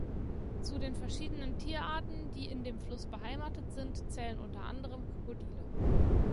Zu den verschiedenen Tierarten, die in dem Fluss beheimatet sind, zählen unter anderem Krokodile.